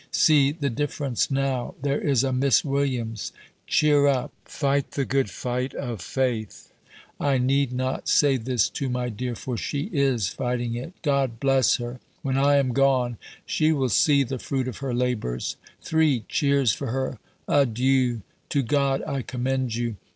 See the difference now. There is a Miss Williams. Cheer up: fight the good fight of faith. I need not say this to my dear, for she is fighting it. God bless her! When I am gone, she will see the fruit of her labours. Three cheers for her! A Dieu. To God I commend you.